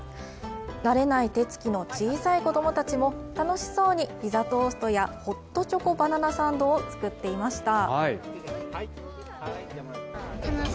慣れない手つきの小さい子供たちも楽しそうにピザトーストやホットチョコバナナサンドを作っていました。